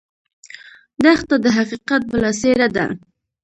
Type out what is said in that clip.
دښته د حقیقت بله څېره ده.